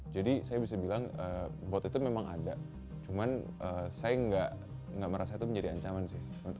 jadi saya bisa bilang bot itu memang ada cuman saya nggak merasa itu menjadi ancaman sih